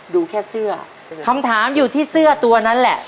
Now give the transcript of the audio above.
ดูแค่เสื้อคำถามอยู่ที่เสื้อตัวนั้นแหละ